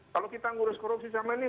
kalau kita ngurus korupsi selama ini